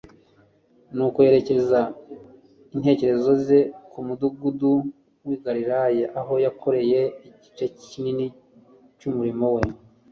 Nuko yerekeza intekerezo ze ku midugudu y'i Galilaya aho yakoreye igice kinini cy'umurimo we.